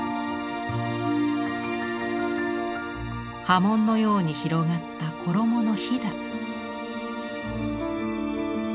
波紋のように広がった衣のひだ。